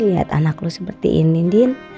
lihat anak lo seperti ini din